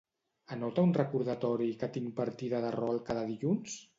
Anota un recordatori que tinc partida de rol cada dilluns?